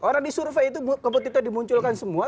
orang di survei itu komputer dimunculkan semua